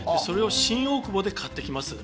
それを新大久保で買ってきます。